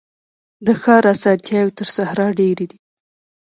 د ښار اسانتیاوي تر صحرا ډیري دي.